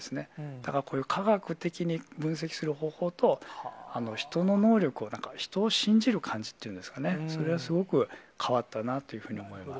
だから、こういう科学的に分析する方法と、人の能力を、人を信じる感じっていうんですかね、それはすごく変わったなというふうに思います。